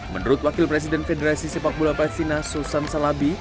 menurut wakil presiden federasi sepak bola palestina susan salabi